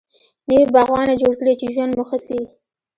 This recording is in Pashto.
نوي باغوانه جوړ کړي چی ژوند مو ښه سي